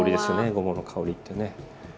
ごぼうの香りってね。